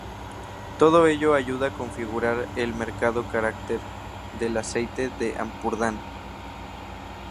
Todo ello ayuda a configurar el marcado carácter del aceite del Ampurdán.